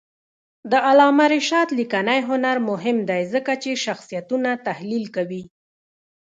د علامه رشاد لیکنی هنر مهم دی ځکه چې شخصیتونه تحلیل کوي.